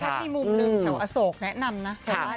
เชื่อดีมุมหนึ่งแถวอโศกแนะนำนะครับ